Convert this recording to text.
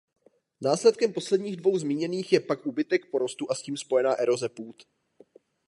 Následkem posledních dvou zmíněných je pak úbytek porostu a s tím spojená eroze půd.